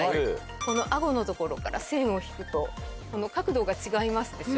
この顎のところから線を引くとこの角度が違いますでしょ。